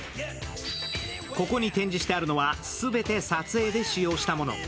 ここに展示してあるのは、全て撮影で使用したもの。